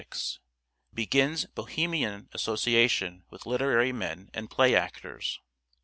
1576. Begins Bohemian association with literary men and play actors.